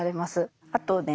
あとね